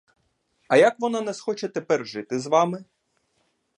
А як вона не схоче тепер жити з вами?